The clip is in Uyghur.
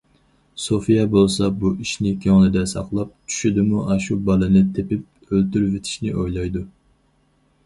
سوفىيە بولسا بۇ ئىشنى كۆڭلىدە ساقلاپ، چۈشىدىمۇ ئاشۇ بالىنى تېپىپ ئۆلتۈرۈۋېتىشنى ئويلايدۇ.